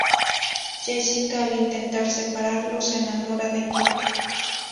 Jessica al intentar separarlos se enamora de Kike.